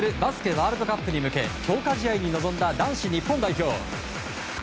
ワールドカップに向け強化試合に臨んだ男子日本代表。